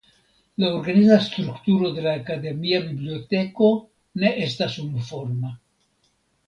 La organiza strukturo de la akademia biblioteko ne estas unuforma.